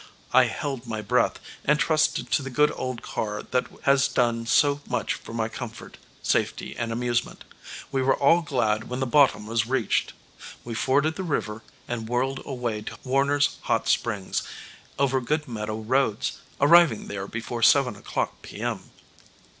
I held my breath and trusted to the good old car that has done so much for my comfort, safety and amusement. We were all glad when the bottom was reached. We forded the river and whirled away to Warner's Hot Springs, over good meadow roads, arriving there before 7 o'clock p. m.